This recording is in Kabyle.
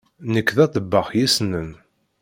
Nekk d aḍebbax yessnen.